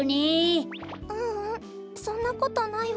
ううんそんなことないわ。